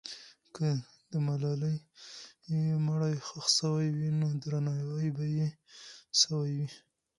که د ملالۍ مړی ښخ سوی وي، نو درناوی به یې سوی وي.